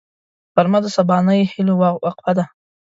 غرمه د سبانۍ هيلو وقفه ده